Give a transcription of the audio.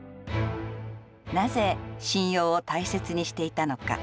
なぜ信用を大切にしていたのか。